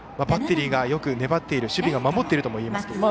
バッテリーがよく粘っている守備がよく守っていると言えますが。